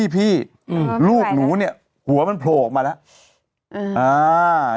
พี่ลูกหนูเนี่ยหัวมันโผล่ออกมาแล้ว